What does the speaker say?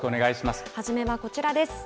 初めはこちらです。